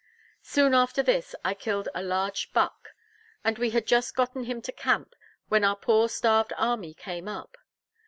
Soon after this, I killed a large buck; and we had just gotten him to camp, when our poor starved army came up.